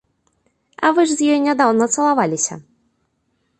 А вы ж з ёю нядаўна цалаваліся?